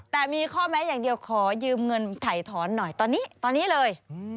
แต่มีข้อแม้อย่างเดียวขอยืมเงินถ่ายถอนหน่อยตอนนี้ตอนนี้เลย